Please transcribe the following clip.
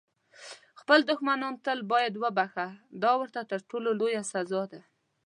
خپل دښمنان تل باید وبخښه، دا ورته تر ټولو لویه سزا ده.